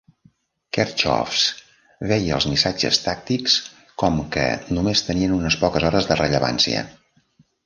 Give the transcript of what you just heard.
Kerckhoffs veia els missatges tàctics com que només tenien unes poques hores de rellevància.